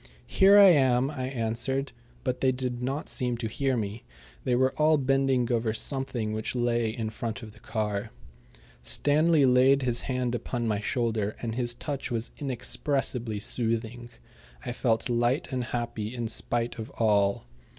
"Here I am," I answered, but they did not seem to hear me. They were all bending over something which lay in front of the car. Stanley laid his hand upon my shoulder, and his touch was inexpressibly soothing. I felt light and happy, in spite of all.